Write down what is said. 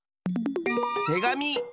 てがみ！